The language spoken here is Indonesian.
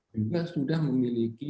juga sudah memiliki